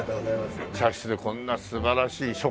茶室でこんな素晴らしい書家のね